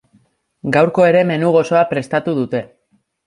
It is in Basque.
Gaurko ere menu gozoa prestatu dute.